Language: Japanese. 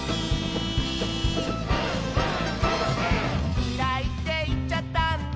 「きらいっていっちゃったんだ」